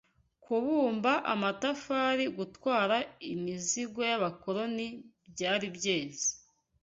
kubumba amatafari, gutwara imizigo y’abakoloni byari byeze